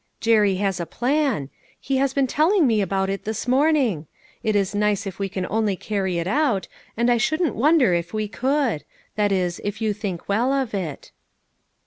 Jerry has a plan ; he has been telling me about it this morning. It is nice if we can only carry it out ; 344 LITTLE FISHERS : AND THEIR NETS. and I shouldn't wonder if we could. That is, if you think well of it."